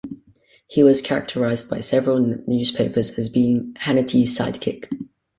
He was characterized by several newspapers as being Hannity's "sidekick".